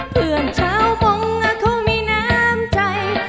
เพื่อนชาวฟงเขามีน้ำใจ